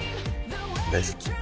大好き。